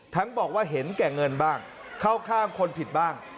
บอกว่าเห็นแก่เงินบ้างเข้าข้างคนผิดบ้าง